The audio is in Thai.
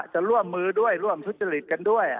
จะร่วมมือด้วยร่วมทุจริตกันด้วย